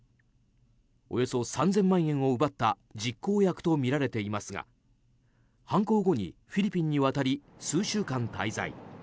およそ３０００万円を奪った実行役とみられていますが犯行後にフィリピンに渡り数週間滞在。